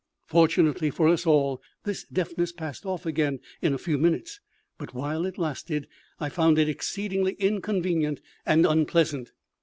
Fortunately for us all, this deafness passed off again in a few minutes; but while it lasted I found it exceedingly inconvenient and unpleasant.